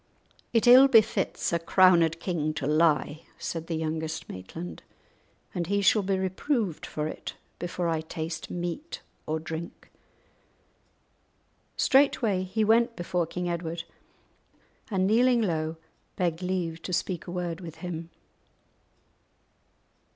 "It ill befits a crowned king to lie," said the youngest Maitland, "and he shall be reproved for it before I taste meat or drink." Straightway he went before King Edward, and, kneeling low, begged leave to speak a word with him.